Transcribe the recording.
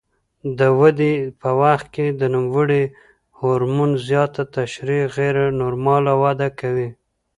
د ودې په وخت کې د نوموړي هورمون زیاته ترشح غیر نورماله وده کوي.